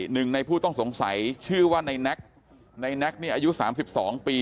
หนึ่งในผู้ต้องสงสัยชื่อว่าในแน็กในแน็กเนี่ยอายุ๓๒ปี